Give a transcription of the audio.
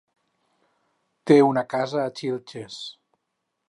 Té una casa a Xilxes.